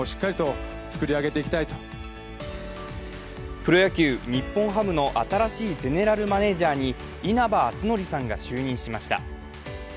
プロ野球・日本ハムの新しいゼネラルマネージャーに稲葉篤紀さんが就任しました。